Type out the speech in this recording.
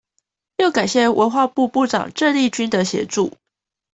要感謝文化部長鄭麗君的協助